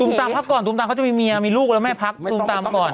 ตามพักก่อนตูมตามเขาจะมีเมียมีลูกแล้วแม่พักตูมตามก่อน